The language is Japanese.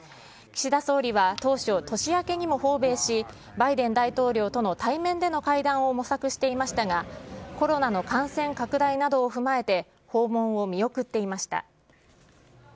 岸田総理は当初、年明けにも訪米し、バイデン大統領との対面での会談を模索していましたが、コロナの感染拡大などを踏まえて、訪問を見送っていました。